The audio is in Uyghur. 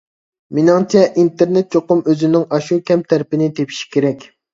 مېنىڭچە، ئىنتېرنېت چوقۇم ئۆزىنىڭ ئاشۇ كەم تەرىپىنى تېپىشى كېرەك.